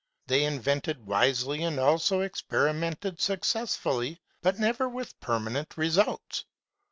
They invented wisely and also experimented success fully, but never with permanent results.